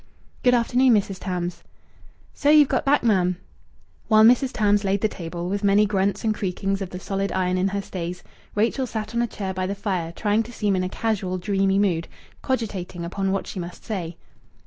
"Good afternoon, Mrs. Tams." "So ye've got back, ma'am!" While Mrs. Tams laid the table, with many grunts and creakings of the solid iron in her stays, Rachel sat on a chair by the fire, trying to seem in a casual, dreamy mood, cogitating upon what she must say.